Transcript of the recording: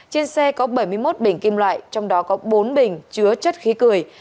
trên xe có bảy mươi một bình kim loại trong đó có bốn bình chứa chất khí cười